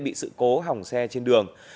bị sự cố hỏng xe trên đường